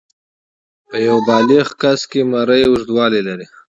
په یو بالغ شخص کې مرۍ اوږدوالی لري.